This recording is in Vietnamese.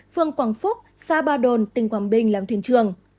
phường quảng phúc xa ba đồn tỉnh quảng bình làm thuyền trường